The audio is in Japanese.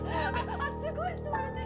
あすごい吸われてる！